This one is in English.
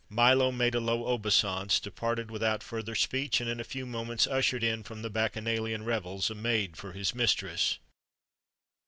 Milo made a low obeisance, departed without further speech, and in a few moments ushered in from the bacchanalian revels a maid for his mistress.